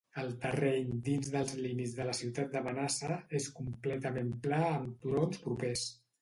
El terreny dins dels límits de la ciutat de Manassa és completament pla amb turons propers.